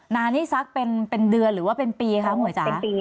นานนี่สักเป็นเดือนหรือว่าเป็นปีคะหวยจ๋า